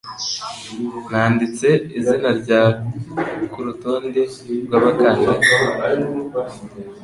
Nanditse izina rya kurutonde rwabakandida.